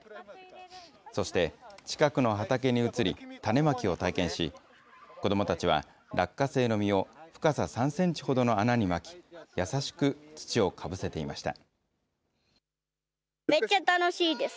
そして、近くの畑に移り、種まきを体験し、子どもたちは、落花生の実を深さ３センチほどの穴にまき、優しく土をかぶせていました。